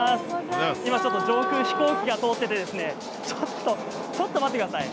今、上空に飛行機が通っていてちょっと待ってくださいね。